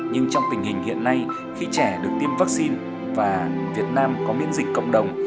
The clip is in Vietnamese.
nhưng trong tình hình hiện nay khi trẻ được tiêm vaccine và việt nam có miễn dịch cộng đồng